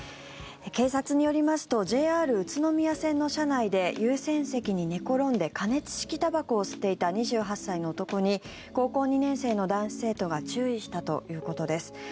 警察によりますとＪＲ宇都宮線の車内で優先席に寝転んで加熱式たばこを吸っていた２８歳の男に高校２年生の男子生徒が注意したということです。